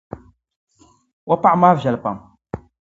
O paɣa maa viɛli pam.